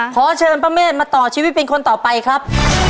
ขอเชิญป้าเมฆมาต่อชีวิตเป็นคนต่อไปครับ